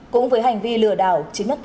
cũng với hành vi lừa đảo